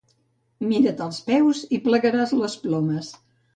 Mira't els peus i plegaràs les plomes.